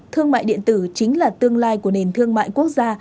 thương mại điện tử chính là tương lai của nền thương mại quốc gia